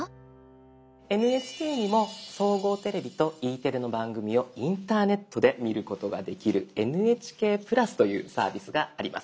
ＮＨＫにも「総合テレビ」と「Ｅテレ」の番組をインターネットで見ることができる「ＮＨＫプラス」というサービスがあります。